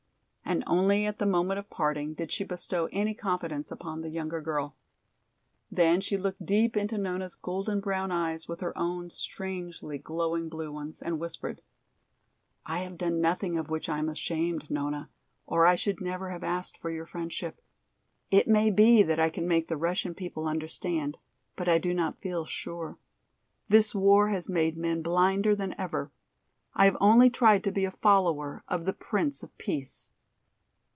And only at the moment of parting did she bestow any confidence upon the younger girl. Then she looked deep into Nona's golden brown eyes with her own strangely glowing blue ones, and whispered: "I have done nothing of which I am ashamed, Nona, or I should never have asked for your friendship. It may be that I can make the Russian people understand, but I do not feel sure. This war has made men blinder than ever. I have only tried to be a follower of the 'Prince of Peace.'"